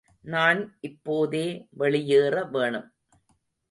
நான் இப்போதே வெளியேற வேணும்.